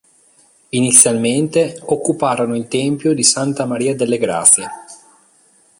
Inizialmente, occuparono il tempio di Santa Maria delle Grazie.